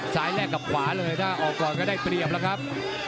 ซ้ายแลกกับขวาเลยออกก่อนฝ่ายได้เปรียบแล้วครับ